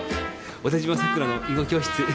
『小田嶋さくらの囲碁教室』